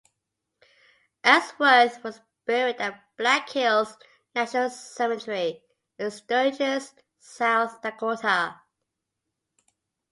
Ellsworth was buried at Black Hills National Cemetery in Sturgis, South Dakota.